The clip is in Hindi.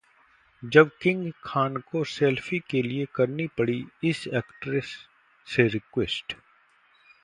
..जब 'किंग खान' को सेल्फी के लिए करनी पड़ी इस एक्ट्रेस से रिक्वेस्ट